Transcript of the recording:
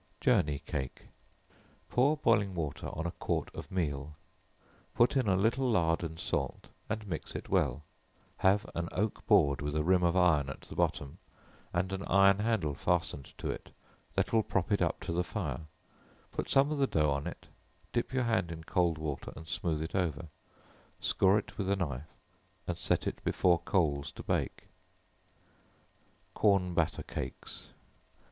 Journey Cake. Pour boiling water on a quart of meal, put in a little lard and salt, and mix it well, have an oak board with a rim of iron at the bottom, and an iron handle fastened to it that will prop it up to the fire; put some of the dough, on it, dip your hand in cold water and smooth it over; score it with a knife, and set it before coals to bake. Corn Batter Cakes.